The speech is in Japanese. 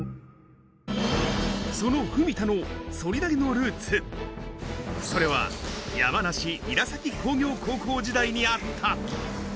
その文田の反り投げのルーツ、それは、山梨・韮崎工業高校時代にあった。